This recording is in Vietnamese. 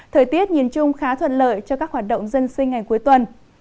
thời tiết nhìn chung khá thuận lợi cho các hoạt động dân sinh ngày cuối tuần